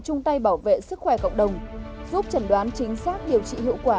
chung tay bảo vệ sức khỏe cộng đồng giúp chẩn đoán chính xác điều trị hiệu quả